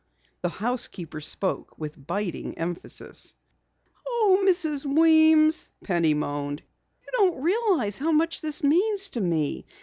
The housekeeper spoke with biting emphasis. "Oh, Mrs. Weems," Penny moaned. "You don't realize how much this means to me!